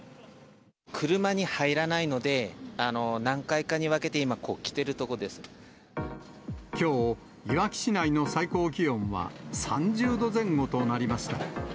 車に入らないので、何回かにきょう、いわき市内の最高気温は３０度前後となりました。